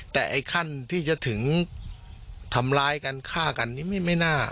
แต่ไอ้ขั้นที่จะถึงทำร้ายกันฆ่ากันนี่ไม่น่า